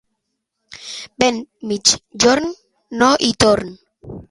Vent migjorn, no hi torn.